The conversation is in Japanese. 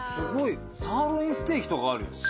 サーロインステーキとかある。